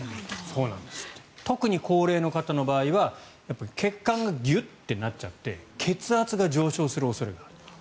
特に高齢の方の場合は血管がギュッとなっちゃって血圧が上昇する恐れがある。